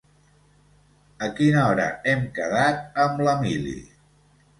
A quina hora hem quedat amb l'Emili?